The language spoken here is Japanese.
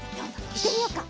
いってみようか。